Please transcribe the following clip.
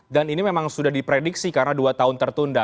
dan ini memang sudah diprediksi karena dua tahun tertunda